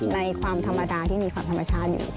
ในความธรรมดาที่มีความธรรมชาติอยู่